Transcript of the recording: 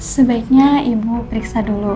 sebaiknya ibu periksa dulu